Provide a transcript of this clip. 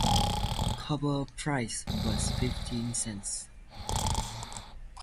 Cover price was fifteen cents.